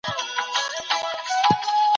د دغي پېښي وروسته زما ټول فکر پر شکر سو.